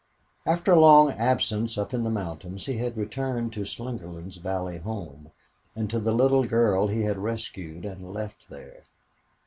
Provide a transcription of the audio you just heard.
After a long absence up in the mountains he had returned to Slingerland's valley home, and to the little girl he had rescued and left there.